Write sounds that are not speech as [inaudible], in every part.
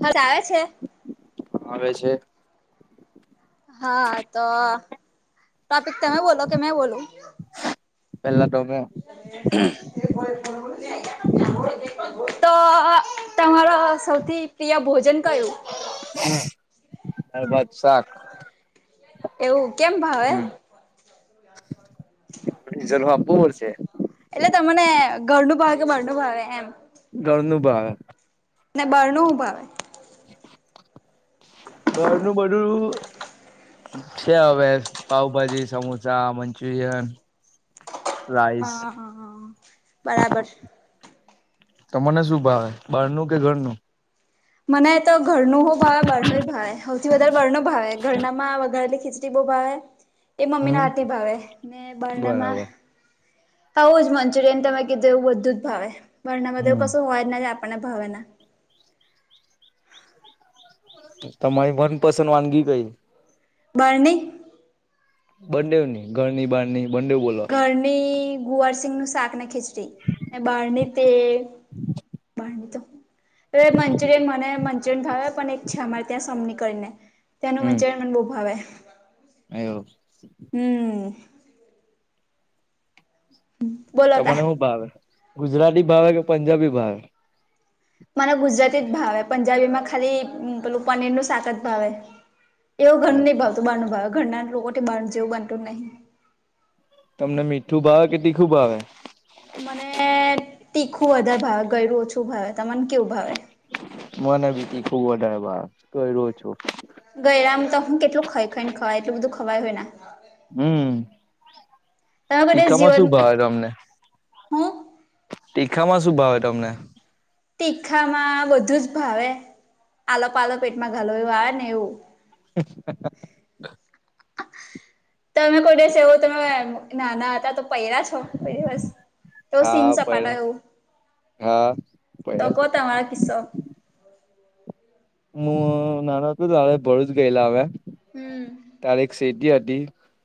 હ ચાવે છે? આવે છે. હા ત ટોપિક તમે બોલો કે મેં બોલુ? પેલા તમે [inaudible] તો તમારા સૌથી પ્રિય ભોજન કયું? દાળભાત શાક એવું કેમ ભાવે? હ [unintelligible] પડશે એટલે તમને ઘરનું ભાવે કે બારનું ભાવે એમ ધરનુ ભાવે ને બારનુ હુ ભાવે ઘરનું બધું છે, હવે પાઉભાજી, સમોસા, મંચુરિયન રાઈસ હા હા હા બરાબર તમને શું ભાવે બહાર નું કે ઘરનું? મને તો ઘરનુ હો ભાવે બારનુય ભાવે હોવથી વધારે બારનું ભાવે ઘરનામાં વગારે લ ખી બો ભાવે એ મમ્મી હમ ના હાતી ભાવે ને બરાબર બરનામાં આવું જ મંચુરિયન તમે કીધું એવું બધું જ ભાવે વર્ણમાં તો એવુ હમ કશું હોય જ આપણને ભાવેને તમારી મન પસન વાનગી કઈ? બારની? બંનેવની ઘરની બહારની બંનેવ બોલો ઘરની ગુવારસિંગનું શાક ને ખીચડી ને બહારની તે બહારની તો તો મંચુરિયન મને મંચુરિયન ભાવે પણ એક છે, અમારે ત્યાં સમની કરીને તેનું મનચુરીયન મને બો ભાવે એવુ હમ. હમમ. તમને હુ ભાવે ગુજરાતી ભાવે કે પંજાબી ભાવે? મને ગુજરાતી જ ભાવે પંજાબીમાં ખાલી પેલું પનીર નું શાક જ ભાવે એવ ઘર ની અચ્છા ભાવતુ બાર ભાવ ઘરના લોકોતી બાર જેવું બનતું નહીં તમને મીઠું ભાવે કે તીખું ભાવે? મને તીખું વધારે ભાવે ગયરું ઓછું ભાવે તમને કેવું ભાવે? મને તીખુ ખુબ વધારે ભા [unintelligible] ગયરામ તો હું કેટલું ખાઈ ખાઈ ને ખવાય એટલું બધું ખવાય હોય ના હમ તમે કદાચ તીખામાં જીવન શું ભાવે તમને? હું તીખામાં શું ભાવે તમને? તીખામાં બધું જ ભાવે આલો પાલ પેટમાં ઘાલ એવું આવે ને એવું [inaudible] તમે કોઈ દિવસે એવો તમે ના ના હતા તો પયરા છો કોઈ દિવસ તો સીન હા પ સપાટ એવું હા તો પલા કો તમાર કિસ્સો હું નાના હતું તયારે ભરૂચ જ ગયેલા હવે હમમ. તારે એક સીટી હતી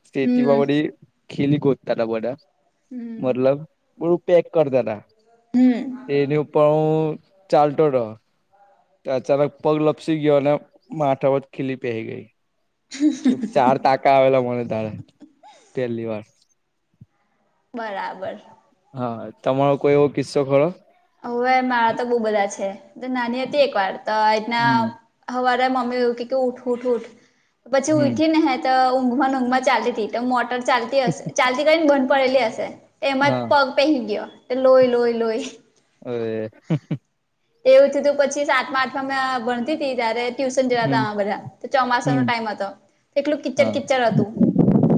સટીમાંપડી ખીલી ગોતાતા બધા હમ મતલબ હું પેક કરતા હતા હમ્મ એની ઉપર હું ચાલતો ર? અચાનક પગ લપસી ગયો અને મા આઠ વત ખીલી પહેરી ગઈ. તો ચાર તાકા આવેલા મને તારે પહેલી વાર. બરાબર. હા તમારો કોઈ એવો કિસ્સો ખરોો. હવે મારા તો બહુ બધા છે નાની હતી એક વાર તો એના. હમ હવારા મમ્ી એવું કે ઉઠ ઉઠ ઉઠ પછી હમ ઉઊઠી ને હે. ઊંઘમાં ઊંઘમાં ચાલતી તો મોટર ચાલતી હશે ચાલતી કરી ને બંધ પડેલી હશે. એમાં હા પગ પહેહી કઓ તે લઈ લઈ લઈ. હવે. એવું થીું પછી સાતમાં આઠમા મેં ભણતી તી ત્યારે. ટ્યુશન જયા હમ હતા બધા ચોમાસા હમ નો ટાઈમ હતો તો એટલું કિચર હા કિચર હતું.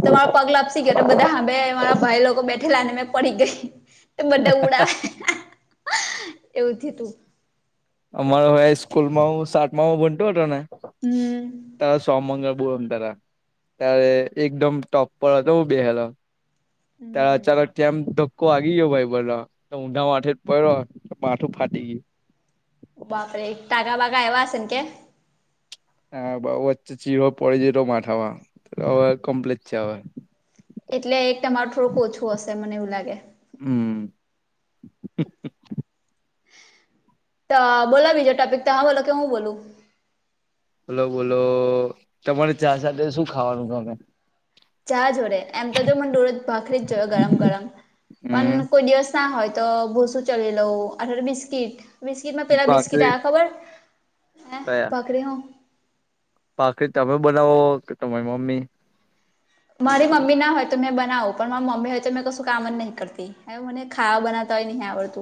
તમારો પગલા આપસી ગયો બધા હંભ મારા ભાઈ લોકો બેઠેલા ને મેં પડી ગઈ. બધા ઉડાવે એવું થ તું. અમારો હવે સ્કૂલ માં હું સાતમામાં બનતોું હતો ને. હમ તાર સોમંગળ બોલોમ તા ત્યારે એકદમ ટપપર તો બેહેલ. ચાલો હમ કેમ તો. કો આગી ગયો ભાઈ ભલો તો ઊંડા માથેે જ પડ્યો પાઠું ફાટી ગયું. બાપરે એક ટાગા બાગા એવા હશે કે. હા બાુ વચ્ચે ચીરો પડીે જ માથામાંવે કમ્પ્લેટ છે. એટલે એક તમારું થોડુંક ઓછું હશે મને એવું લાગે. હમ્મ તો બોલા બીજો ટોપિક તો હા બોલો કે હું બોલું. બોલો બોલો તમારે ચા સાથે શું ખાવાનું છે, અમે. ચાહ જોડે એમ તો જો મને ડોડ ભાખરી જ જોવે ગરમ ગરમ. હમ પણ કોઈ દિવસ ના હોય તો ભોસુ ચલી લઉં અઠ બિસ્કીટ. બિસ્કીટમાં પેલા બિસ્કીટ ભાખરી આવ ખબર હ ભકરી હું. પાખડી તમે બનાવો કે તમારી મમ્મી મારી મમ્મી ના હોય તો મેં બનાવું પણ મારી મમ્મી હોય તો મેં કશું કામ જ નહીં કરતી. હ મને ખાવા બનાવતા નહી આવડતુ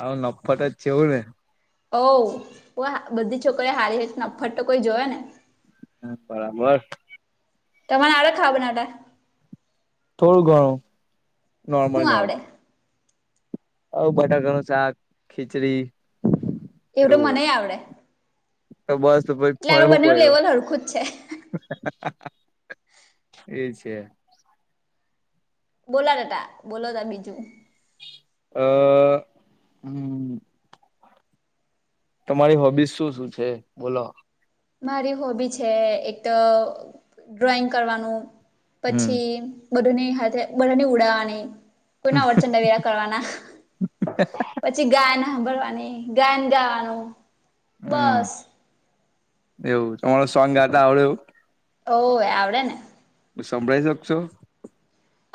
આવ નફટ જ છેવું ને ઓ બધી છોકરી હારી હ નફટ તો કોઈ જોવે ને [unintelligible] બરાબર તમારે આળ ખા બનાટા થોડું ઘણુ નોર્મલ હું નોર્મલ આવડે હવ બટાકા નું શાક ખીચડી. એવડું એવું હતું. મનેય આવડે તો બસ પ એટલે આપડે ફરવું બંનેનું પડ્યો. લેવલ હરખું જ છે [unintelligible] એ છે. બોલા બેટા બોલો ત બીજું અ હમ્મ તમારી હોબી શું શું છે, બોલો મારી હોબી છે એક તો ડ્રોઈંગ કરવાનું હમ પછી. બધુંની હાથે બધાની ઉડાાવવાની કોઈના અડચં વરા કરવાના પછી ગાયન હાભળવાની ગાયન ગાવાનું હમ બસ એવું [unintelligible] સોન્ગ ગાતા આવળેું ઓહ આવડેને હું સંભળાઈ શક છો.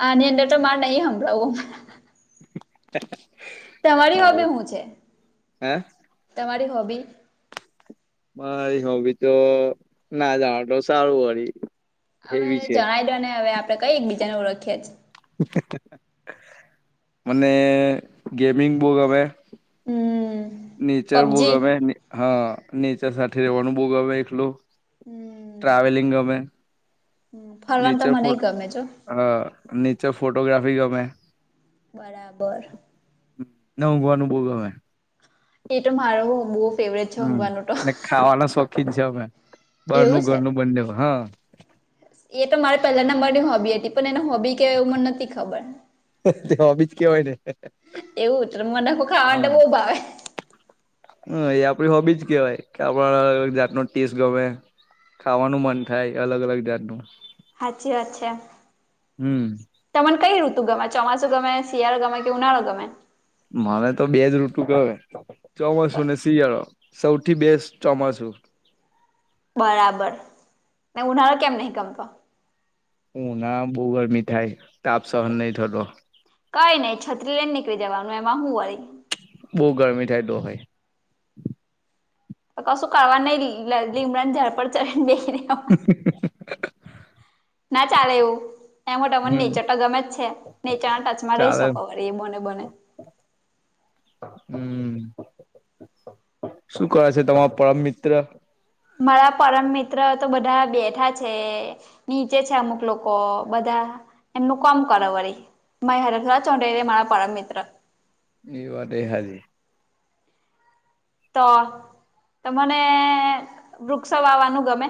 આ ની અંદર તો મારે નહી હભળાવું. [unintelligible] તમારી હોબી સારું હું છે હે તમારી હોબી મારી હોબી તો ના જણો તો સારું વળી. હવે એવી છે જણાવી દો ને હવે આપડે કઈ એક બીજાને ઓળખીએ છે. હ હ મને ગેમિંગ બોવ ગમે. હમ્મ. નેચર બોગમે હા નેચર સાથે રહેેવાનું બોગમે એકલું. ટ્રાવેલિંગ ગમે. ફરવાન તો મને ગમે છે. અ નીચે ફોટોગ્રાફી ગમે. બરાબર. ન ઊંઘવાનું બહુ ગમે. એ ત મારું હ બ હમ્મ ને ખાવાના શોખીન છે અમે, એવું બારનું છે ઘરનું બંને હા. એ તો મારે પહેલા નંબરની હોબી હતી પણ એને હોબી કેવું મને નથી ખબર. [unintelligible] તે હોબીજ કેવાય ને એવું ત ર મ નાખું ખાવા હા માટે બહુ ભાવે. હ એ આપડી હોબીજ કેવાય કે આપણા જાતનો ટેસ ગમે. ખાવાનું મન થાય અલગ અલગ જાતનું. અચ્છા અચ્છા. હમ્મ‌. તમને કઈ ઋતુ ગમે, ચોમાસું ગમે, શિયાળો ગમે, કે ઉનાળો ગમે, મને તો બે જ ઋતુ ગમે ચોમાસુ ને શિયાળો. સૌથી બેસ્ટ ચોમાસું. બરાબર ને ઉનાળો કેમ નહિ ગમતો. ઉ નાળા બહુ ગરમી થાય તાપ સહન નહી થતો. કઈ નઈ છત્રી લઈને નીકળી જવાનું એમાં હું વાળી બઉુ ગરમી થાય તો બી. કશું કરવા નઈ લીમડાન ઝાળ પડ ચઢી ને બેહી રેવાનું. હ. ના ચાલે એવું. એ માટે તમને હમ્મ. નેચર તો ગમે જ છે નેચાના ટચમાં રહી શકો અર એ બોને બને હમ. શું કરે છે તમારો પરમ મિત્ર મારા પરમ મિત્ર તો બધા બેઠા છે. નીચે છે અમુક લોકો બધા એમનું કામ કર વળી મા હરસરાજ ચૌડેલે મારા પરમ મિત્ર. એ વાત દ એ હાજી. તો તમને વૃક્ષો વાવાનું ગમે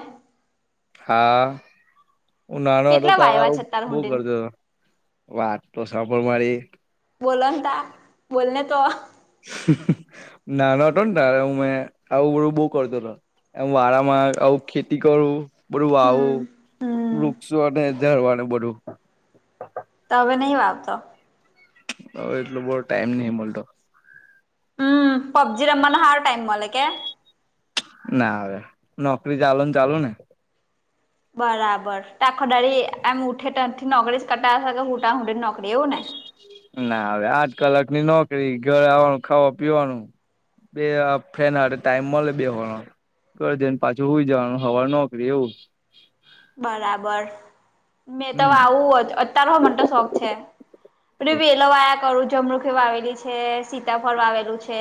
હા હું ઉનાનો વા હતો કેટલા તાર વાયવા છે આવું અત્યાર બો હુંધીન કરતો હતો. વાત તો સાંભળ મારી. બોલોન તા બોલને તો હ હ નાનો હતો ને તારે હું મેં આવું બું બહુ કરતો હતો. એ વારામાં આવું ખેતી કરું. બધુ વાવું હમ હમ વૃક્ષક્ષો અને ઝારવાનું બધું. તો હવે નહીં વાવતો હવે એટલલો બધો ટાઈમ નહિ મળતો. હમ પબ્જીિ રમવાનો હાર ટાઈમ મલલે કે ના હવે નોકરી ચાલ ને ચાલુ ને બરાબર ટાખદળ એમ ઉઠે તથી નોકરી કટાશે કે હુંટા હું નોકરી એવું ને ના હવે આઠ કલાક ની નોકરી ઘરે આવવાનું ખાવા પીવાનું. બે ફ્રેન હ ટાઈમ મળે બે હો કરજેને પાછું હોઈ જવાનું હવાળ નોકરી એવું. બરાબર મેં તો હમ આવું અતાર હો મને તો શોખ છે. વેલોવાયા કરું જમણુખ વા આવેલી છે સીતાફળ વા આવેલું છે.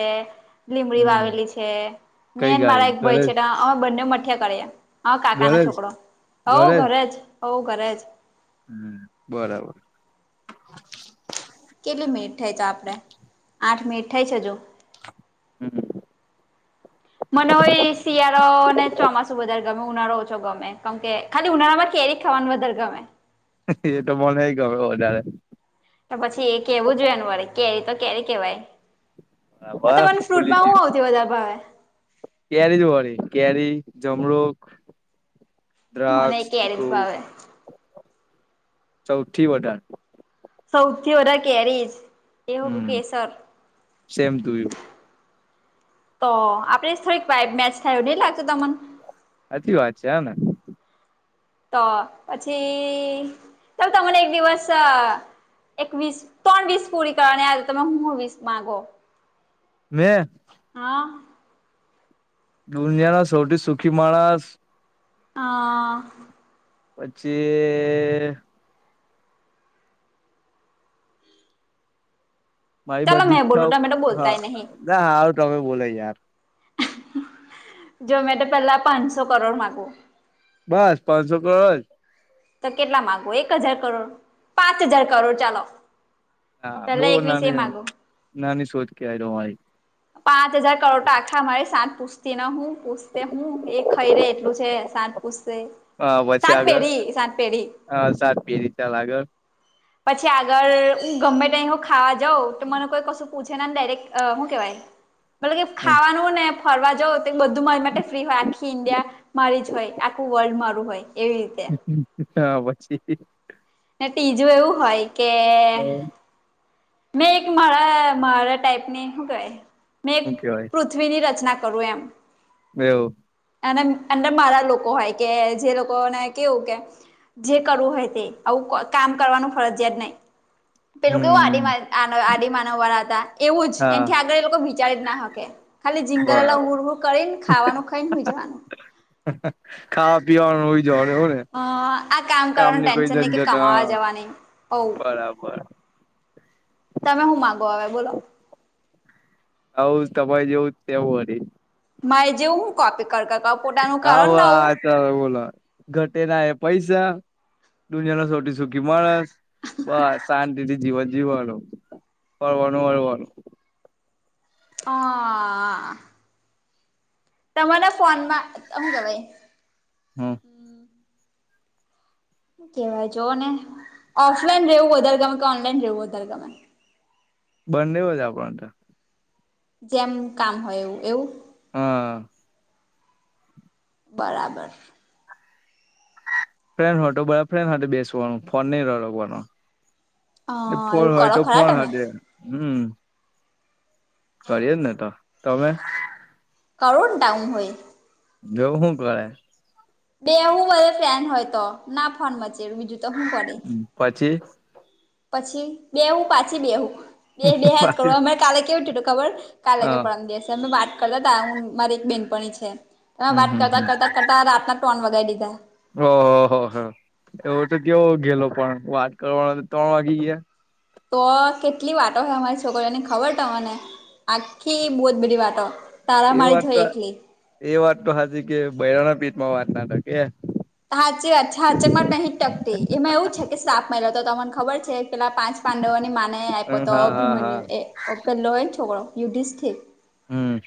લીમડી હમ વાવેલી છે કઈ મેન ગાડી મારા એક ભાઈ ઘરે છે જ અમે બંને મઠિયા કર્યા. હા કાકા ના ઘરે જ છોકરો હોવ ઘરે જ હોવ ઘરે જ હમ બરાબર કેટલી મિનિટ થાય તો આપણે આઠ મિનિટ થાય છે જો. હમ મને હોય શિયાળો અનેને ચોમાસ વધારે ગમે ઉનાળો ઓ છો ગમે કેમ કે ખાલી ઉનાળામાં કેરી ખાવાનું વધારે ગમે એ તો મને ગમે વધારે તો પછી એ કેવું જોનું અરે કેરી તો કેરી કેવાય બરાબર તમાને ભૂલી ફ્રૂટમાં હું ગયું આવ. દવા દા ભાઈ કેરી જોવાળી કેરી જમણુક મને દ્રક્ષ કેરી જ ચીો ભાવે સૌથી વધાર. સૌથી ઓધા કેરીજ એ હમ કેસર સેમ ટુ યુ તો આપડે થોડીક વા મેચ થાય ન લાગતું તમને સાચી વાત છે હ ને તો પછી ચાલ તમને એક દિવસ એક વીસ ત્રણ વીસ પૂરી કરવાની આજે તમે હું વીસ માંગો મેં હા. દુનિયાના સૌથી સુખી માણસ હ પછી. મારી ચાલો બધી મેં બોલું ઈચ્છાઓ તમે તો હ બોલતાય નહીં નાારું તમે બોલો યાર. જો મેં તો પેલા પાંચસો કરોડ માગુ બસ પાંચસો કર જ તો કેટલા મામાંગો એક હજાર કરોડ પાંચ હજાર કરોડ ચાલો. હા બહુ પલા એકવીસ એ નાની માગો? નાની સોધ કે આ રહાઈ પાંચ હજાર કરોડ તો આખા મારી સાત પુછતી ના હુ. પૂછતે હું એ ખઈ રે એટલું છે શંત પુ હા પછી સાંત આગળ પેઢી સાંત પેઢી હા સાત પી રીતે લગળ પછી આગળ હું ગમે ટાઈમ હું ખાવા જઉં તો મને કોઈ કશું પૂછે ને ડાયરેક્ટ હું કેવાય- - મતલબ કે ખાવાનું હો ને ફરવા જઉ તો બધું મારી માટે ફ્રી હોય આખી ઇન્ડિયા મારી જ હોય આખું વર્લ્ડ મારું હોય એવી રીતે- - હા પછી. ને ત્રીજું એવું હોય કે મેં એક માળા માળા ટાઈપની હું ક મેં એક હું કેવાય પૃથ પૃથ્વીની રચના કરવું એમ એવુ અને અંદર મારા લોકો હોય કે જે લોકોને કેવું કે જે કરવું હોય તે આવું કામ કરવાનું ફરજિયાત નહી. પેલું હમ એવું આ આદ માનવ વાળા હતા એવું જ હા એનાથી આગળ એ લોકો વિચારી જ ના હકે ખાલી જીંગરલા બરાબર ઉર ઉર કરી ને ખાવાનું ખાઈનેઈ જવાનું ખાવા પીવાનું હૂઇ જવાનુ એવુને? હ આ કામ કરવાનું ટેન્શન નહી કે કમાવા હા જવા નહી બઉ બરાબર તમે હું માગો આવે બોલો? આવ તમાર જેવું તેવું હોય રે મા જેવુ હું કોપી કર કર પોતાનું હ કરો ઓ ને આવું આ બોલો ઘટે જાય પૈસા? દુનિયા નુ સૌથી સુખી માણસ બસ શાંતિથી જીવન જીવાનું. પરવાનું વાળવાનું હા. તમાને ફોનમાં એમ કેવાય હા. કેવાય જો ને ઓફલાઈન રહેવું વધારે ગમે કે ઓનલાઈન રહેવું વધારે ગમે બંડે હો જા આપણ થા જેમ કામ હોય એવું એવું? હા. બરાબર. ફ્રેડ હો હતો બોઇફ્રેન્ડ સાથે બેસવાનો ફોન નહિ અડકવાનુ. હ ફોન એવું હોય કરો તો ખરા ફોન તમે હાથે હમ્મ. કરીએ જ ને તો તમે? કરુ ન ડાઉન હોય એ જો હું કરે? બે હું બધે ફેન હોય તો ના ફોન મચે બીજું તો શું કરે. પછી પછી બે હું પાછી બે હું. બે બે હજ પાટીલ કરૂ અમે કાલે કે થયું તું ખબર કાલે કે હા પરમ દિવસ અમે વાત કરતા હતા હું મારી એક બેનપણી છે. એમાં હમ વાત હમ કરતા હમ કરતા કરતા રાતના ટોન વગાડી દીધા ઓહ હો હ એવો તો કેવો ગેલો પણ વાત કરવાનો તો ત્રણ વાગી ગયા? તો કેટલી વાતો છે અમારી છોકરીઓની ખબર તમને? આખી બહુ જ બધી વાતો. તારા એ મારી વાત જોઈ તો એકલી એ વાત તો હાજી કે બયરાણા પેટમાં વાત ના ત કે હાચી હાચે માં નહિ ટકતી એમાં એવું છે કે સાપ મિલા તો તમને ખબર છે. પેલા પાંચ પાંડવોની માને આપ્યો તો હા હા હા અભિમન્યુ એ પેલોય ને છોકરો યુધિષ્ઠિર હમ્મ.